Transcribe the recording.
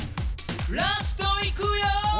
「ラストいくよ」